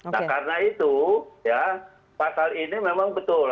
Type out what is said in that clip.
nah karena itu ya pasal ini memang betul